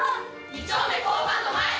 ２丁目交番の前。